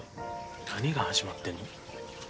何が始まってんの？